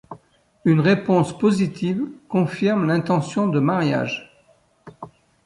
Une réponse positive confirme l'intention de mariage.